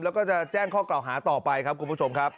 แล้วก็จะแจ้งข้อกล่าวหาต่อไปครับคุณผู้ชมครับ